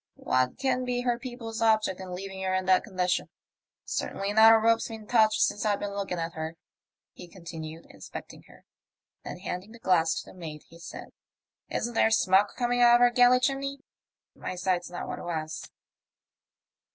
What can be her people's object in leaving her in that condition ? Certainly not a rope's been touched since I've been look ing at her," he continued, inspecting her ; then handing the glass to the mate, he said, " Isn't there smoke coming out of her galley chimney ? My sight's not what it was."